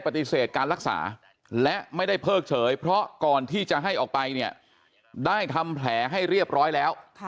ปฏิเสธการรักษาและไม่ได้เพิกเฉยเพราะก่อนที่จะให้ออกไปเนี่ยได้ทำแผลให้เรียบร้อยแล้ว